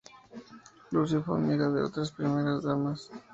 Lucy fue amiga de otras Primeras Damas.